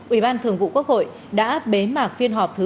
ủy ban thường vụ quốc hội đã bế mạc phiên họp thứ bốn mươi bốn